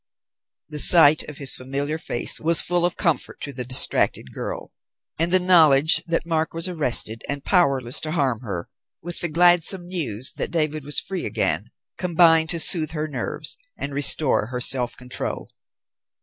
The sight of his familiar face was full of comfort to the distracted girl; and the knowledge that Mark was arrested and powerless to harm her, with the gladsome news that David was free again, combined to soothe her nerves and restore her self control.